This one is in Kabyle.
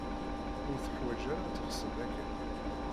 Ur tuḥwaǧ ara ad teɣṣeb akken.